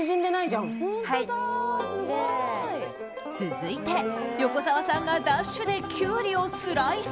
続いて、横澤さんがダッシュでキュウリをスライス。